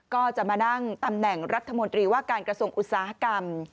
ก็จะมานั่งตำแหน่งรัฐมนตรีว่าการกระทรวงอุตสาหกรรม